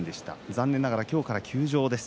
残念ながら今日から休場です。